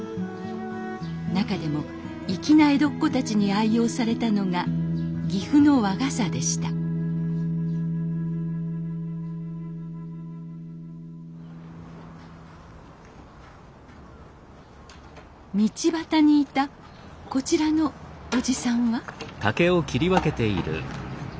なかでも粋な江戸っ子たちに愛用されたのが岐阜の和傘でした道端にいたこちらのおじさんは？